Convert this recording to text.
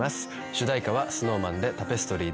主題歌はＳｎｏｗＭａｎで『タペストリー』です。